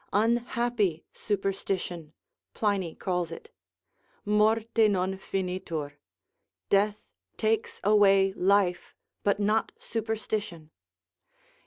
Unhappy superstition, Pliny calls it, morte non finitur, death takes away life, but not superstition.